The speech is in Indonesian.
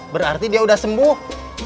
berarti dia udah sembuh